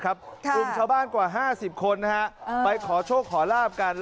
กลุ่มชาวบ้านกว่า๕๐คนไปขอโชคขอลาบกัน